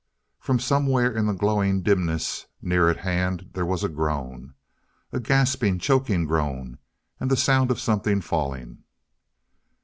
From somewhere in the glowing dimness near at hand there was a groan. A gasping, choking groan; and the sound of something falling.